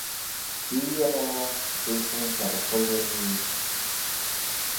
Jee yn ayr, jehsyn ta dy chooilley nhee.